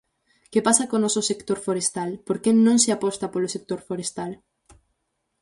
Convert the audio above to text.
¿Que pasa co noso sector forestal?, ¿por que non se aposta polo sector forestal?